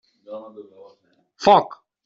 Foc.